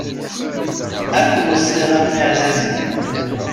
Ad k-weṣṣiɣ, a mmi ɛzizen!